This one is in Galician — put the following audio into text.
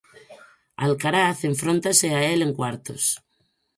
Alcaraz enfróntase a el en cuartos.